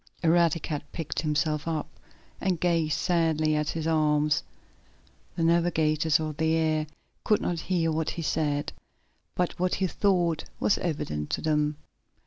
Eradicate picked himself up, and gazed sadly at his arms. The navigators of the air could not hear what he said, but what he thought was evident to them.